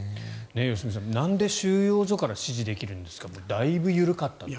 良純さんなんで収容所から指示できるのかとだいぶ緩かったという。